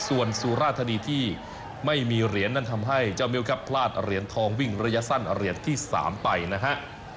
ส่วนสุราธานีที่ไม่มีเหรียญนั้นทำให้เจ้ามิวครับพลาดเหรียญทองวิ่งระยะสั้นเหรียญที่๓ไปนะฮะ